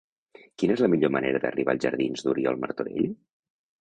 Quina és la millor manera d'arribar als jardins d'Oriol Martorell?